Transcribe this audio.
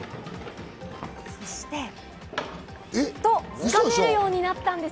つかめるようになったんです！